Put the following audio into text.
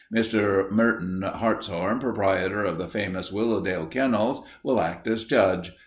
Mr. Merton Hartshorn, proprietor of the famous Willowdale Kennels, will act as judge.